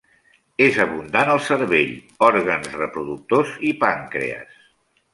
És abundant al cervell, òrgans reproductors i pàncrees.